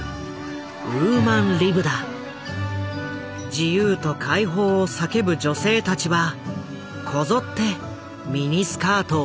自由と解放を叫ぶ女性たちはこぞってミニスカートをはいた。